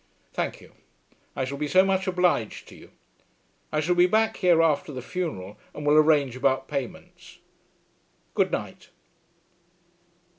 Thank you. I shall be so much obliged to you! I shall be back here after the funeral, and will arrange about payments. Good night."